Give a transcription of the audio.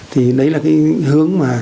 thì đấy là cái hướng mà